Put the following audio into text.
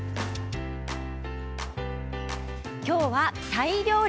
きょうはタイ料理。